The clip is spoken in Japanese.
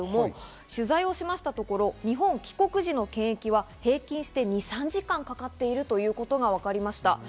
取材をしましたところ、日本帰国時の検疫は平均して２３時間かかっているということがわかりました。